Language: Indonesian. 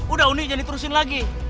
udah unik jadi terusin lagi